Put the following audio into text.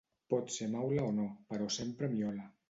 Pot ser maula o no, però sempre miola.